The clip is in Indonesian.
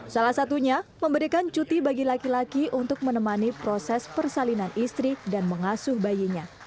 salah satunya memberikan cuti bagi laki laki untuk menemani proses persalinan istri dan mengasuh bayinya